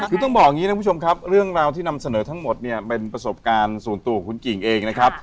คือต้องบอกอย่างนี้นะคุณผู้ชมครับเรื่องราวที่นำเสนอทั้งหมดเนี่ยเป็นประสบการณ์ส่วนตัวของคุณกิ่งเองนะครับ